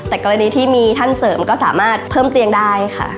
แต่กรณีที่มีท่านเสริมก็สามารถเพิ่มเตียงได้ค่ะ